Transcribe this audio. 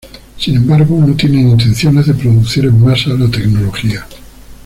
Sin embargo, no tienen intenciones de producir en masa la tecnología.